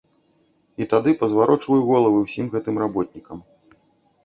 І тады пазварочваю галовы ўсім гэтым работнікам.